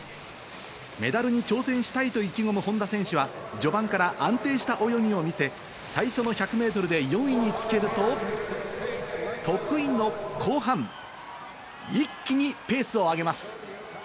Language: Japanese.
メダルに挑戦したいと意気込む本多選手は序盤から安定した泳ぎを見せ、最初の１００ｍで４位につけると、得意の後半、一気にペースを上げます。